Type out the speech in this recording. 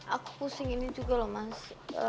aku pusing ini juga loh mas